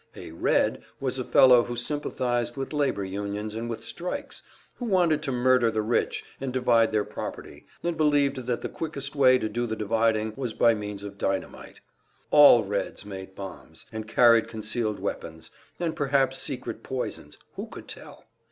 A "Red" was a fellow who sympathized with labor unions and with strikes; who wanted to murder the rich and divide their property, and believed that the quickest way to do the dividing was by means of dynamite. All "Reds" made bombs, and carried concealed weapons, and perhaps secret poisons who could tell?